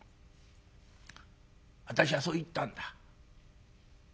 私はそう言ったんだ。